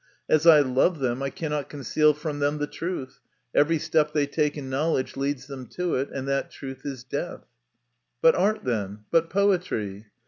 As I love them, I cannot conceal from them the truth every step they take in knowledge leads them to it, and that truth is death." But art, then ; but poetry